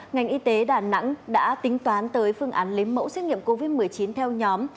ngành y tế đà nẵng đã tính toán tới phương án lấy mẫu xét nghiệm covid một mươi chín theo nhóm